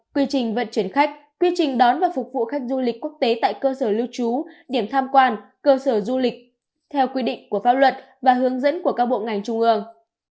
quy trình vận chuyển khách quy trình đón và phục vụ khách du lịch quốc tế tại cơ sở lưu trú điểm tham quan cơ sở du lịch theo quy định của pháp luật và hướng dẫn của các bộ ngành trung ương